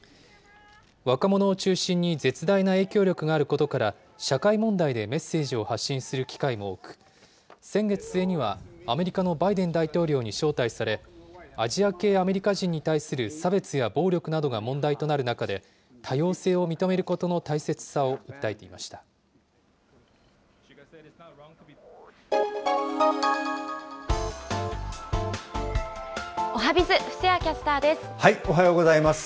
若者を中心に絶大な影響力があることから、社会問題でメッセージを発信する機会も多く、先月末にはアメリカのバイデン大統領に招待され、アジア系アメリカ人に対する差別や暴力などが問題となる中で、多様性を認めるこおはＢｉｚ、おはようございます。